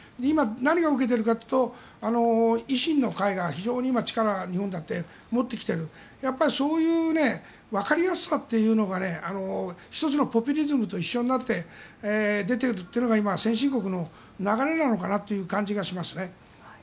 今、何が起きているかというと維新の会が非常に力を日本でも持ってきてるそういう分かりやすさというのが１つのポピュリズムと一緒になって出ているのが先進国の流れかなという感じがします。